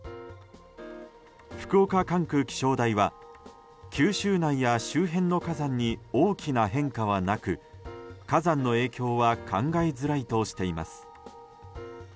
福岡管区気象台は九州内や周辺の火山に大きな変化はなく、火山の影響は考えづらいとしています。